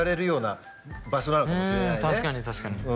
確かに確かに。